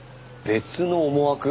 別の思惑？